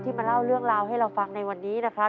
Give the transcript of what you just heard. มาเล่าเรื่องราวให้เราฟังในวันนี้นะครับ